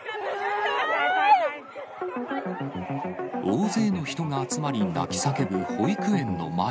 大勢の人が集まり、泣き叫ぶ保育園の前。